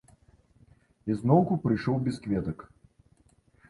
І зноўку прыйшоў без кветак.